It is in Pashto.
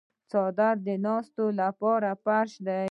څادر د ناستې لپاره فرش دی.